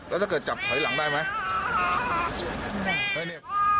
แล้วถ้าเกิดจับถอยหลังได้ไหม